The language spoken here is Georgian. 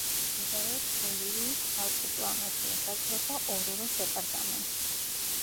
მდებარეობს ბოლივიის ალტიპლანოში, ესაზღვრება ორუროს დეპარტამენტს.